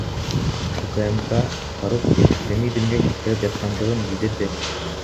УКМК Фарук экстремизмге шектелип жаткандыгын билдирди.